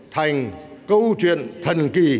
thành câu chuyện thần kỳ